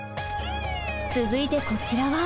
続いてこちらは？